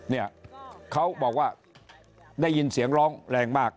เนี่ยเขาบอกว่าได้ยินเสียงร้องแรงมาก